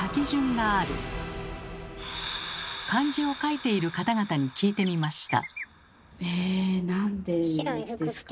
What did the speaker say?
漢字を書いている方々に聞いてみました。